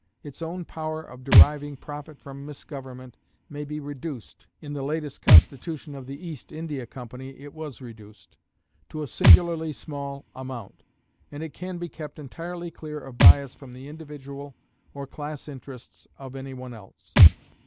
Its own power of deriving profit from misgovernment may be reduced in the latest Constitution of the East India Company it was reduced to a singularly small amount; and it can be kept entirely clear of bias from the individual or class interests of any one else.